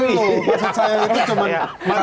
maksud saya itu cuma